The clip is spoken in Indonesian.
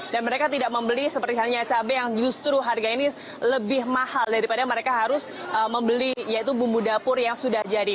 dan mereka tidak membeli seperti cabai yang justru harga ini lebih mahal daripada mereka harus membeli yaitu bumbu dapur yang sudah jadi